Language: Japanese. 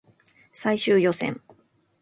最終予選